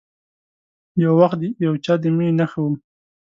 یو وخت د یو چا د میینې نښه وم